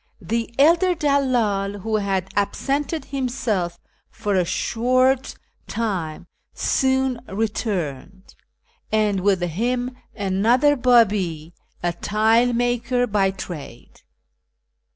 The elder dallcd, M'ho had absented himself for a short ISFAHAN :ii time, soon returned, and with him another Babi, a tile maker by trade.